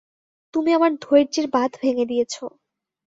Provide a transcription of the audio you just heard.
তুমি আমার ধৈর্যের বাধ ভেঙ্গে দিয়েছো।